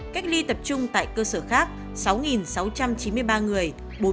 cách ly tập trung tại cơ sở khác sáu sáu trăm chín mươi ba người